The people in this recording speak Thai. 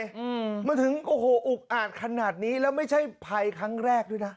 อืมมาถึงโอ้โหอุกอาจขนาดนี้แล้วไม่ใช่ภัยครั้งแรกด้วยนะ